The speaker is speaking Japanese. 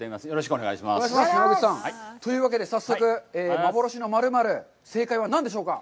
お願いします、山口さん。というわけで早速幻の○○、正解は何でしょうか。